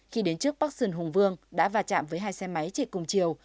khi đến trước park sơn hùng vương đã vào chạm với hai xe máy chạy cùng chiều